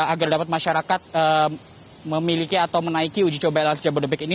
agar dapat masyarakat memiliki atau menaiki uji coba lrt jabodebek ini